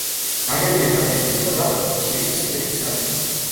ნაგებია ნატეხი ქვითა და კირის სქელი ხსნარით.